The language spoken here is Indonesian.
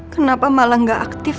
kenapa malah gak aktif